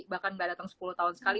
bahkan nggak datang sepuluh tahun sekali